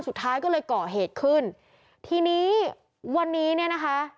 สุดท้ายก็เลยก่อเหตุขึ้นทีนี้วันนี้เนี่ยนะคะ